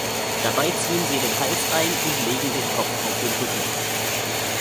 Dabei ziehen sie den Hals ein und legen den Kopf auf den Rücken.